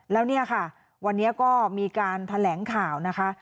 แล้วเนี่ยค่ะวันนี้ก็มีการแถลงข่าวนะคะ